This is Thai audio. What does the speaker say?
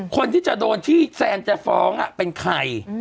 คนที่จะโดนที่แซนจะฟ้องเป็นใคร